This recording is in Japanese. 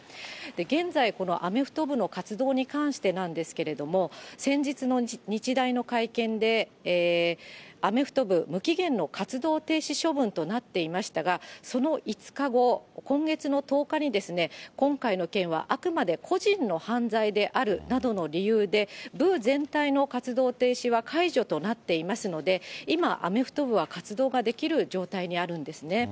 現在、このアメフト部の活動に関してなんですけれども、先日の日大の会見で、アメフト部、無期限の活動停止処分となっていましたが、その５日後、今月の１０日に、今回の件はあくまで個人の犯罪であるなどの理由で、部全体の活動停止は解除となっていますので、今、アメフト部は活動ができる状態にあるんですね。